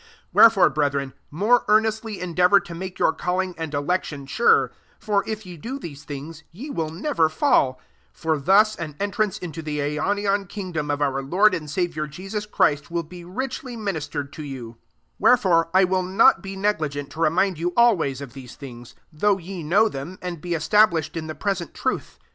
10 Wherefore, brethren, more earnestly endeavour to make your calling and election sure: for, if ye do these things, ye will never fall : 11 for thus an entrance into the aionian king dom of our Lord and Savi«ir Jesus Christ will be richly m nistered to you 12 Wherefore I will not be negligent to remind you always of these things ; though ye know them, and be established in tte present truth.